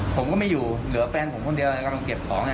ผมก็ไม่อยู่เหลือแฟนผมคนเดียวเก็บของ